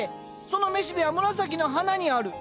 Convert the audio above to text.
その雌しべは紫の花にある。